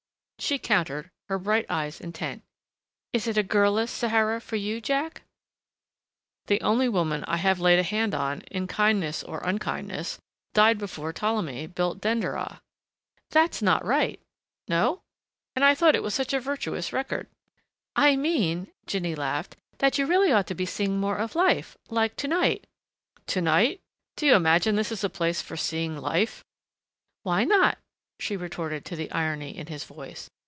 She countered, her bright eyes intent, "Is it a girl less Sahara for you, Jack?" "The only woman I have laid a hand on, in kindness or unkindness, died before Ptolemy rebuilt Denderah." "That's not right " "No? And I thought it such a virtuous record!" "I mean," Jinny laughed, "that you really ought to be seeing more of life like to night " "To night? Do you imagine this is a place for seeing life?" "Why not?" she retorted to the irony in his voice.